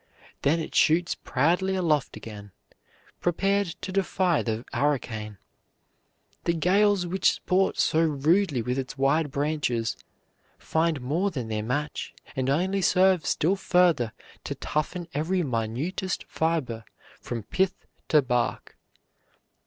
Then it shoots proudly aloft again, prepared to defy the hurricane. The gales which sport so rudely with its wide branches find more than their match, and only serve still further to toughen every minutest fiber from pith to bark.